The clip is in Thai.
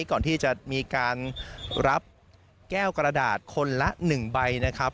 ก่อนที่จะมีการรับแก้วกระดาษคนละ๑ใบนะครับ